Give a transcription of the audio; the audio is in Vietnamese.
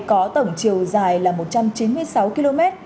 có tổng chiều dài là một trăm chín mươi sáu km